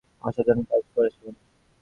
অসাধারণ কাজ করেছেন।